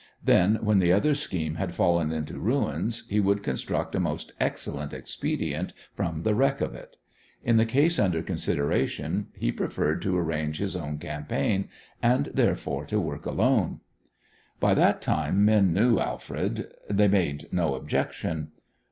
Then, when the other's scheme had fallen into ruins, he would construct a most excellent expedient from the wreck of it. In the case under consideration he preferred to arrange his own campaign, and therefore to work alone. By that time men knew Alfred. They made no objection.